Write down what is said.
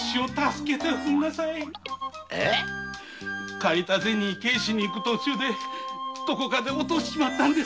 借りたゼニ返しに行く途中でどこかで落としちまったんです。